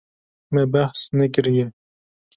Me behs nekiriye.